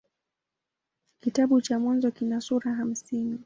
Kitabu cha Mwanzo kina sura hamsini.